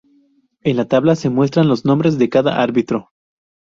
En la tabla se muestran los nombres de cada árbitro.